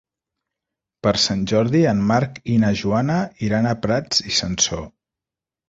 Per Sant Jordi en Marc i na Joana iran a Prats i Sansor.